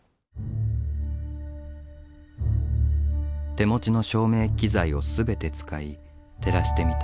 手持ちの照明機材を全て使い照らしてみた。